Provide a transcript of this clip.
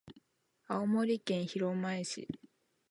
青森県弘前市